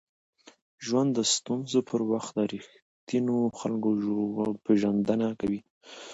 ژوند د ستونزو پر وخت د ریښتینو خلکو پېژندنه کوي.